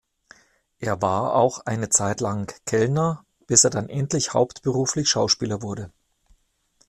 Er war auch eine Zeit lang Kellner bis er dann endlich hauptberuflich Schauspieler wurde.